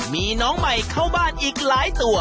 มีน้องใหม่เข้าบ้านอีกหลายตัว